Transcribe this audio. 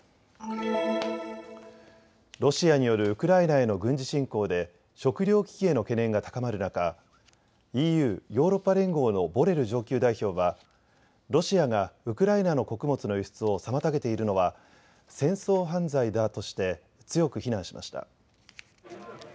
ロシアによるウクライナへの軍事侵攻で食料危機への懸念が高まる中、ＥＵ・ヨーロッパ連合のボレル上級代表はロシアがウクライナの穀物の輸出を妨げているのは戦争犯罪だとして強く非難しました。